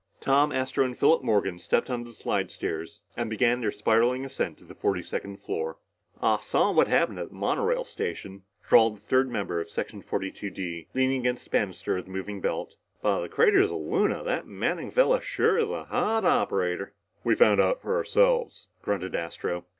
Tom, Astro, and Philip Morgan stepped on the slidestairs and began their spiraling ascent to the forty second floor. "I saw what happened at the monorail station," drawled the third member of Section 42 D, leaning against the bannister of the moving belt. "By the craters of Luna, that Manning felluh sure is a hot operator." "We found out for ourselves," grunted Astro.